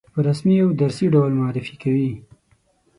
په رسمي او درسي ډول معرفي کوي.